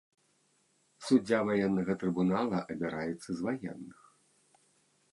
Суддзя ваеннага трыбунала абіраецца з ваенных.